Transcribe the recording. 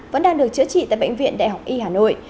vẫn đang được chữa trị tại bệnh viện đại học y hà nội